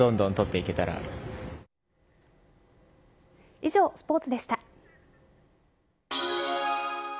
以上、スポーツでした。